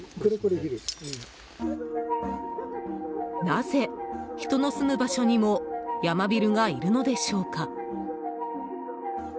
なぜ、人の住む場所にもヤマビルがいるのでしょうか。